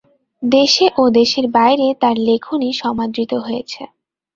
দেশে ও দেশের বাইরে তার লেখনী সমাদৃত হয়েছে।